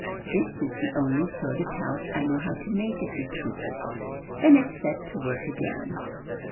''This is the only sort of house I know how to make/' it repeated. Then it set to work again.